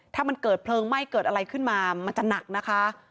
ถ้ามันเกิดเพลิงไหม้เกิดอะไรขึ้นมามันจะหนักนะคะ